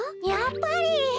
やっぱり！